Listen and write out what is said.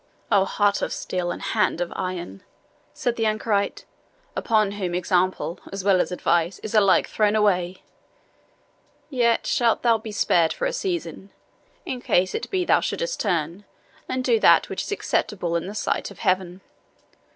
"O heart of steel, and hand of iron," said the anchoret, "upon whom example, as well as advice, is alike thrown away! Yet shalt thou be spared for a season, in case it so be thou shouldst turn, and do that which is acceptable in the sight of Heaven.